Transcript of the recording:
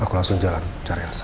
aku langsung jalan cari res